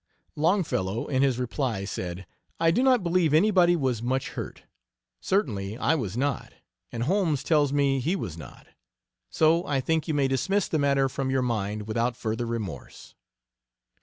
Longfellow, in his reply, said: "I do not believe anybody was much hurt. Certainly I was not, and Holmes tells me he was not. So I think you may dismiss the matter from your mind without further remorse."